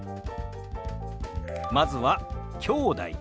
まずは「きょうだい」。